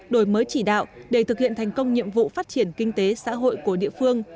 đổi mới chỉ đạo để thực hiện thành công nhiệm vụ phát triển kinh tế xã hội của địa phương